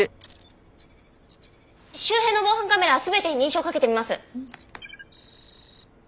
周辺の防犯カメラ全てに認証をかけてみます。